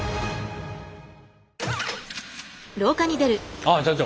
ああ社長。